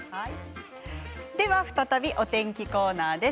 再びお天気コーナーです。